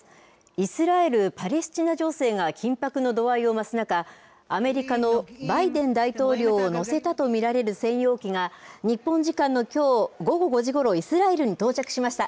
イスラエル・パレスチナ情勢が緊迫の度合いを増す中、アメリカのバイデン大統領を乗せたと見られる専用機が、日本時間のきょう午後５時ごろ、イスラエルに到着しました。